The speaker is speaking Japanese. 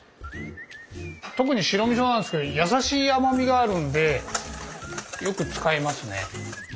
特に白みそなんですけどやさしい甘みがあるんでよく使いますね。